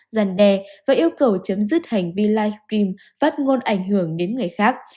giăn đe và yêu cầu chấm dứt hành vi live stream phát ngôn ảnh hưởng đến người khác